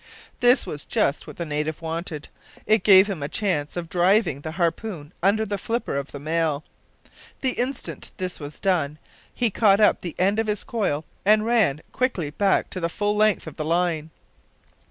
This was just what the native wanted. It gave him a chance of driving the harpoon under the flipper of the male. The instant this was done he caught up the end of his coil and ran quickly back to the full length of the line.